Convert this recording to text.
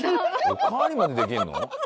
おかわりまでできるの？